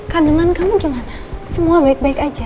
kandungan kamu gimana semua baik baik aja